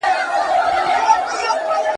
انصاف د ټولنې باور زیاتوي.